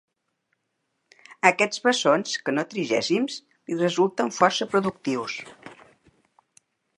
Aquests bessons, que no trigèmins, li resulten força productius.